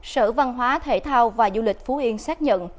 sở văn hóa thể thao và du lịch phú yên xác nhận